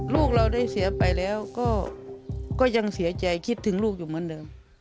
ลูกเราได้เสียไปแล้วก็ยังเสียใจคิดถึงลูกอยู่เหมือนเดิม